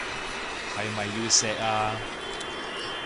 係咪要錫啊？